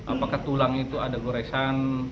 apakah tulang itu ada goresan